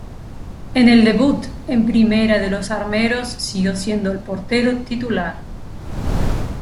En el debut en Primera de los armeros siguió siendo el portero titular.